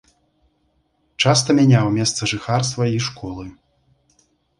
Часта мяняў месца жыхарства і школы.